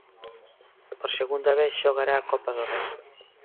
Por segunda vez xogará a Copa do Rei.